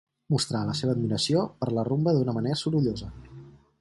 Mostrà la seva admiració per la rumba d'una manera sorollosa.